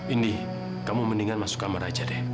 indi kamu mendingan masuk kamar aja deh